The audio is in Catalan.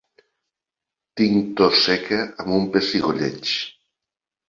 Tinc tos seca amb un pessigolleig.